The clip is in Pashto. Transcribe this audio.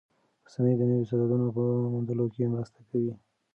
رسنۍ د نویو استعدادونو په موندلو کې مرسته کوي.